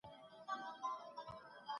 د سياست علم ژبه بايد په سمه توګه وکارول سي.